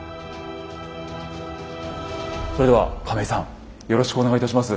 それでは亀井さんよろしくお願いいたします。